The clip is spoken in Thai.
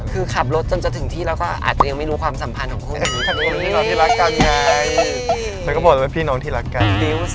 คือขับรถจนจะถึงที่แล้วก็อาจจะยังไม่รู้ความสัมพันธ์ของคู่กันไง